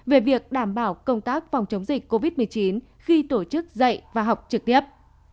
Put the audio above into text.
về việc đảm bảo công tác phòng chống dịch covid một mươi chín khi tổ chức dạy và học trực tiếp